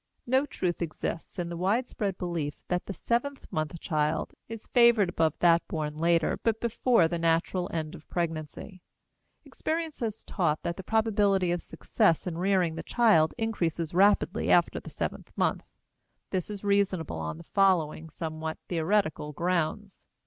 No truth exists in the widespread belief that the seventh month child is favored above that born later but before the natural end of pregnancy. Experience has taught that the probability of success in rearing the child increases rapidly after the seventh month. This is reasonable on the following somewhat theoretical grounds.